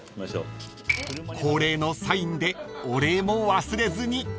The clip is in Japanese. ［恒例のサインでお礼も忘れずに］